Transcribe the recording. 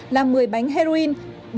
là một mươi bánh heroin